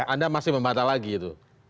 anda masih membatal lagi itu